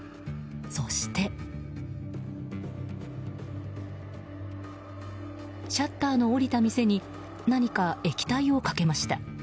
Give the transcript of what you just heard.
そして、シャッターの下りた店に何か液体をかけました。